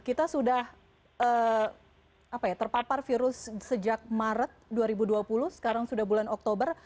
kita sudah terpapar virus sejak maret dua ribu dua puluh sekarang sudah bulan oktober